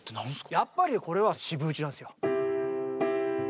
やっぱりこれは４分打ちなんすよ。